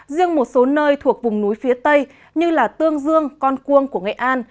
riêng một số nơi thuộc vùng núi phía tây như tương dương con cuông của nghệ an